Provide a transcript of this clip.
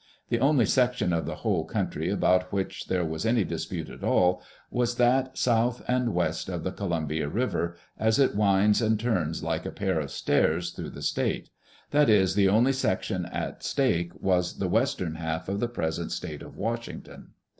The only section of the whole country about which there was any dispute at all was that south and west of the Columbia River, as it winds and turns like a pair of stairs through the state ; that is, [24s] Digitized by CjOOQIC EARLY DAYS IN OLD OREGON the only section at stake was the western half of the present state of Washington.